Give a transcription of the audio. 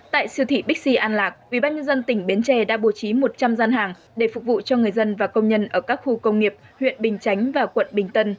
tại siêu thị bixi an lạc ubnd tỉnh bến tre đã bố trí một trăm linh gian hàng để phục vụ cho người dân và công nhân ở các khu công nghiệp huyện bình chánh và quận bình tân